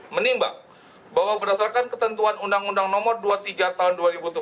menimbang bahwa berdasarkan ketentuan undang undang nomor dua puluh tiga tahun dua ribu tujuh belas